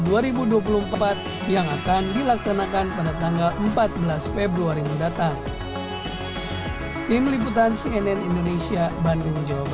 pemilu dua ribu dua puluh empat yang akan dilaksanakan pada tanggal empat belas februari mendatang